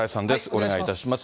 お願いいたします。